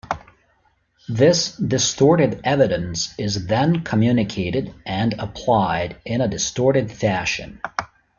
This distorted evidence is then communicated and applied in a distorted fashion.